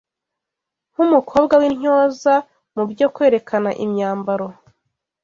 nk’umukobwa w’intyoza mu byo kwerekana imyambaro